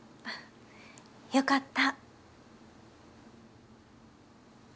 よかった。